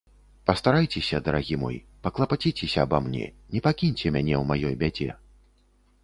Пастарайцеся, дарагі мой, паклапаціцеся аба мне, не пакіньце мяне ў маёй бядзе.